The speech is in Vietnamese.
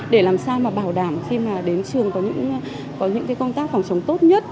để làm sao mà bảo đảm khi mà đến trường có những công tác phòng chống tốt nhất